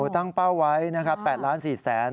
ตั้งเป้าไว้นะครับ๘๔๐๐๐๐๐บาท